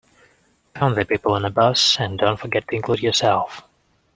Count the people on the bus, and don't forget to include yourself.